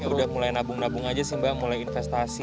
udah mulai nabung nabung aja sih mbak mulai investasi